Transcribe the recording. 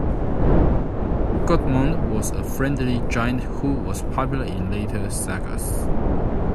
Gudmund was a friendly giant who was popular in later sagas.